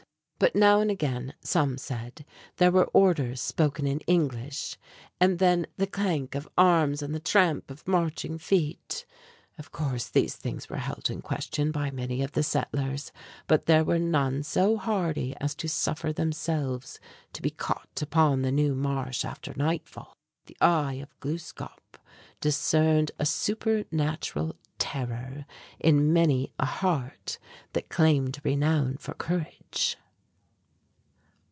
But now and again, some said, there were orders spoken in English, and then the clank of arms and the tramp of marching feet. Of course these things were held in question by many of the settlers, but there were none so hardy as to suffer themselves to be caught upon the "New Marsh" after nightfall. "The Eye of Gluskâp" discerned a supernatural terror in many a heart that claimed renown for courage.